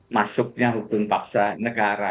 masuknya hukum paksa negara